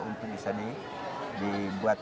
untuk bisa dibuat